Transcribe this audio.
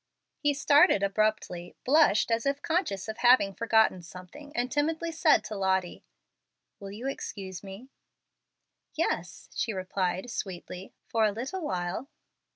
He started abruptly, blushed as if conscious of having forgotten something, and timidly said to Lottie, "Will you excuse me?" "Yes," she replied sweetly, "for a little while."